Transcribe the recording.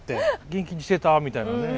「元気にしてた？」みたいなね。